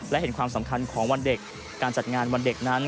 และเห็นความสำคัญของวันเด็กการจัดงานวันเด็กนั้น